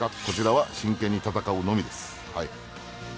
こちらは真剣に戦うのみです。